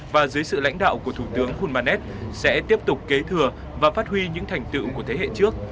và dưới sự lãnh đạo của thủ tướng hunmanet sẽ tiếp tục kế thừa và phát huy những thành tựu của thế hệ trước